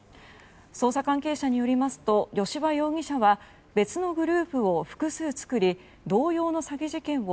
捜査関係者によりますと吉羽容疑者は別のグループを複数作り同様の詐欺事件を